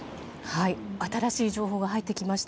新しい情報が入ってきました。